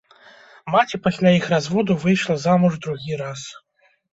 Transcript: Маці пасля іх разводу выйшла замуж другі раз.